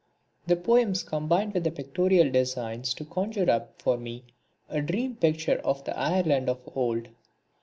The poems combined with the pictorial designs to conjure up for me a dream picture of the Ireland of old.